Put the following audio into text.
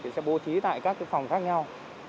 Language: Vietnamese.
sẽ bố trí tại các phòng khác nhau